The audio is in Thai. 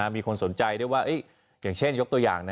มีคนสนใจด้วยว่าอย่างเช่นยกตัวอย่าง